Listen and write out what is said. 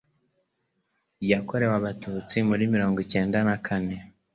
yakorewe Abatutsi muri mirongo cyenda nakane.